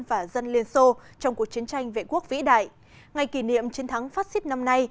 và dân liên xô trong cuộc chiến tranh vệ quốc vĩ đại ngày kỷ niệm chiến thắng fascist năm nay